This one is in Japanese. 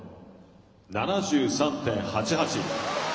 ７３．８８。